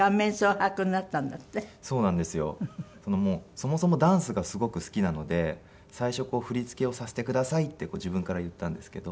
そもそもダンスがすごく好きなので最初振り付けをさせてくださいって自分から言ったんですけど。